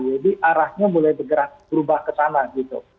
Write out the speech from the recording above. arahnya mulai bergerak berubah ke sana gitu